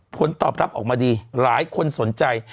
ผลตอบรับออกมาดีหลายคนสนใจ